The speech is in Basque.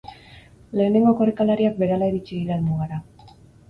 Lehenengo korrikalariak berehala iritsi dira helmugara.